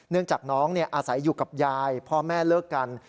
จากน้องอาศัยอยู่กับยายพ่อแม่เลิกกัน